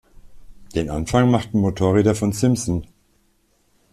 Den Anfang machten Motorräder von Simson.